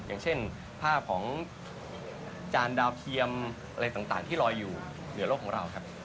อย่างเช่นภาพของจานดาวเทียมอะไรต่างที่ลอยอยู่เหนือโลกของเราครับ